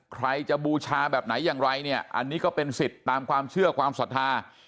ใครจะบูชาแบบไหนอย่างไรเนี่ยอันนี้ก็เป็นสิทธิ์ตามความเชื่อความศรัทธา